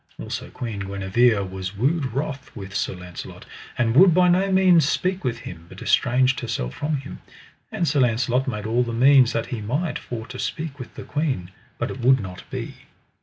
Also Queen Guenever was wood wroth with Sir Launcelot, and would by no means speak with him, but estranged herself from him; and Sir Launcelot made all the means that he might for to speak with the queen, but it would not be.